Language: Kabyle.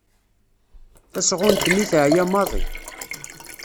Tasɣunt-nni teεya maḍi.